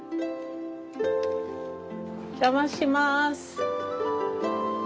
お邪魔します。